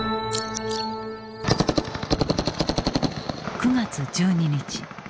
９月１２日